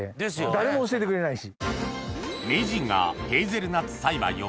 誰も教えてくれないし。